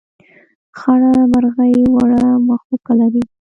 خړه مرغۍ وړه مښوکه لري.